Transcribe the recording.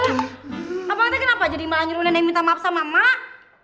lala abang teh kenapa jadi melanyurin nenek minta maaf sama emak